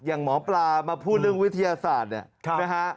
อย่างหมอปลามาพูดเรื่องวิทยาศาสตร์